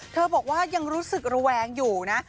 บอกว่ายังรู้สึกระแวงอยู่นะ